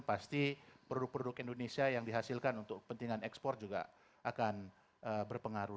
pasti produk produk indonesia yang dihasilkan untuk kepentingan ekspor juga akan berpengaruh